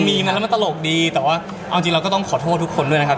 มีอย่างนั้นแล้วมันตลกดีแต่ว่าเอาจริงเราก็ต้องขอโทษทุกคนด้วยนะครับ